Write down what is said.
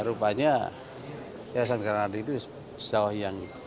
rupanya yayasan granadi itu sebuah yang